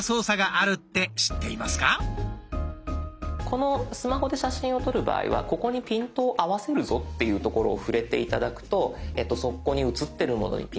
このスマホで写真を撮る場合はここにピントを合わせるぞっていうところを触れて頂くとそこに写ってるものにピントが合います。